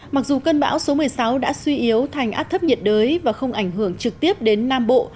mặc dù cơn bão số một mươi sáu đã suy yếu thành áp thấp nhiệt đới và không ảnh hưởng trực tiếp đến nam bộ